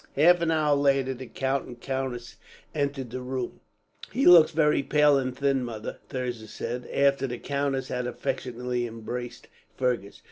Half an hour later, the count and countess entered the room. "He looks very pale and thin, mother," Thirza said, after the countess had affectionately embraced Fergus.